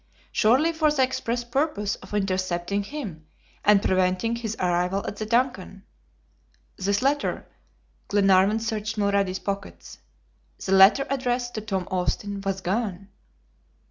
Surely for the express purpose of intercepting him, and preventing his arrival at the DUNCAN. This letter Glenarvan searched Mulrady's pockets. The letter addressed to Tom Austin was gone!